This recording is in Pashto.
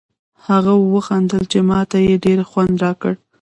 هغه و خندل چې ما ته یې ډېر خوند راکړ.